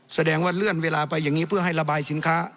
แสดงว่าเลื่อนเวลาไปอย่างนี้เพื่อให้ระบายสินค้า